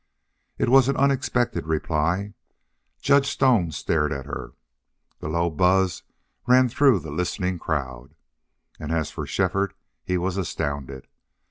It was an unexpected reply. Judge Stone stared at her. The low buzz ran through the listening crowd. And as for Shefford, he was astounded.